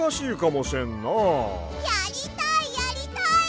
やりたいやりたい！